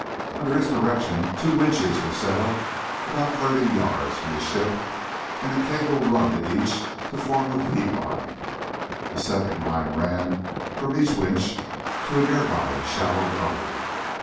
Under his direction two winches were set up about thirty yards from the ship and a cable run to each to form a V line. A second line ran from each winch to a nearby shallow gully.